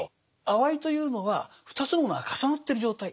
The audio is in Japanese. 「あわい」というのは２つのものが重なってる状態。